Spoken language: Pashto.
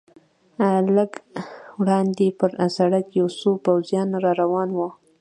لږ وړاندې پر سړک یو څو پوځیان را روان و.